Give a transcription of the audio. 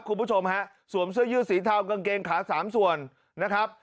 คุณผู้ชมฮะสวมเสื้อยืดสีเทากางเกงขาสามส่วนนะครับ